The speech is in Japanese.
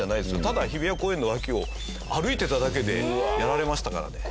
ただ日比谷公園の脇を歩いてただけでやられましたからね。